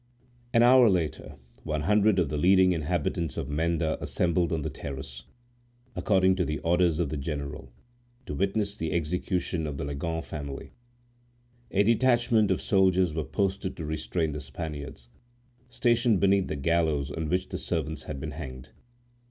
An hour later, one hundred of the leading inhabitants of Menda assembled on the terrace, according to the orders of the general, to witness the execution of the Leganes family. A detachment of soldiers were posted to restrain the Spaniards, stationed beneath the gallows on which the servants had been hanged.